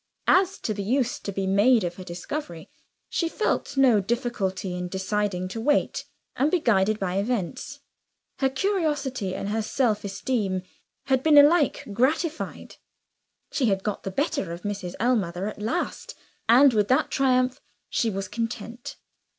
As to the use to be made of her discovery, she felt no difficulty in deciding to wait, and be guided by events. Her curiosity and her self esteem had been alike gratified she had got the better of Mrs. Ellmother at last, and with that triumph she was content.